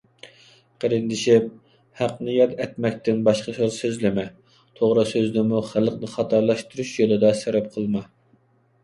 قېرىندىشىم، ھەقنى ياد ئەتمەكتىن باشقا سۆز سۆزلىمە. توغرا سۆزنىمۇ خەلقنى خاتالاشتۇرۇش يولىدا سەرپ قىلما.